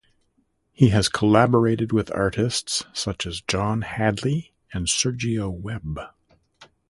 He has collaborated with artists such as John Hadley and Sergio Webb.